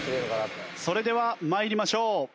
それでは参りましょう。